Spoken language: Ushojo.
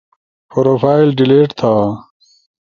پروفائل ڈیلیٹ تھا